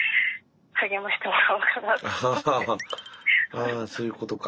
あそういうことか。